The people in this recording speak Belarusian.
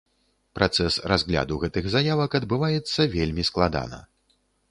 Працэс разгляду гэтых заявак адбываецца вельмі складана.